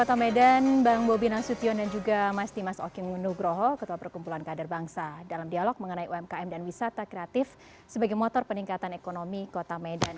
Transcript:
terima kasih juga juga untuk pak bung ndung mengenai umkm dan wisata kreatif sebagai motor peningkatan ekonomi kota medan